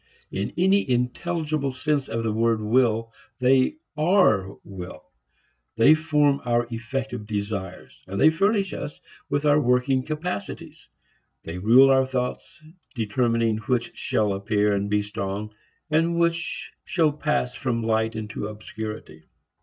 In any intelligible sense of the word will, they are will. They form our effective desires and they furnish us with our working capacities. They rule our thoughts, determining which shall appear and be strong and which shall pass from light into obscurity.